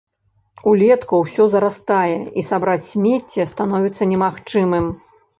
Улетку ўсё зарастае і сабраць смецце становіцца немагчымым.